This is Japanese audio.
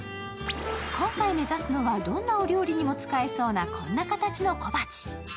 今回、目指すのはどんなお料理にも使えそうなこんな形の小鉢。